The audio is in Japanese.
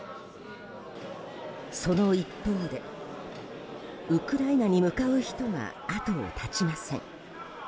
その一方でウクライナに向かう人が後を絶ちません。